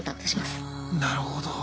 なるほど。